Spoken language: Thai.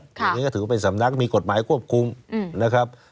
อย่างนี้ก็ถือว่าเป็นสำนักมีกฎหมายควบคุมนะครับ